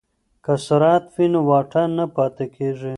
که سرعت وي نو واټن نه پاتې کیږي.